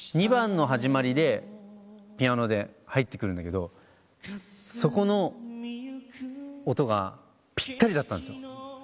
２番の始まりでピアノで入ってくるんだけどそこの音がぴったりだったんですよ。